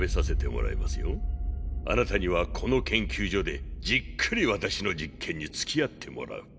あなたにはこの研究所でじっくり私の実験につきあってもらう。